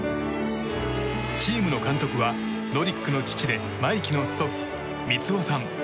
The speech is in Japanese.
チームの監督は、ノリックの父で真生騎の祖父・光雄さん。